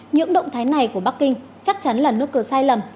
những động thái này của bắc kinh chắc chắn là nước cờ sai lầm